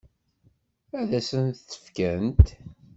Ad s-t-fkent?